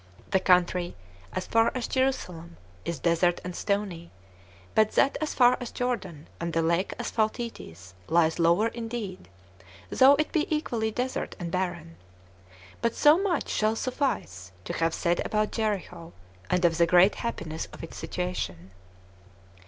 The country, as far as Jerusalem, is desert and stony; but that as far as Jordan and the lake Asphaltites lies lower indeed, though it be equally desert and barren. But so much shall suffice to have said about Jericho, and of the great happiness of its situation.